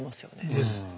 です。